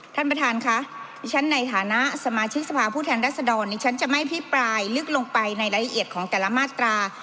ท่านประธานค่ะดิฉันในฐานะสมาชิกสภาพผู้แทนรัศดรดิฉันจะไม่พิปรายลึกลงไปในรายละเอียดของแต่ละมาตรา